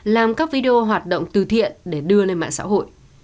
làm các video hoạt động từ thiện để đưa lên mạng xã hội